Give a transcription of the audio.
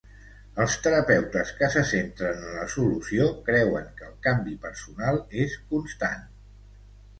Els terapeutes que se centren en la solució creuen que el canvi personal és constant.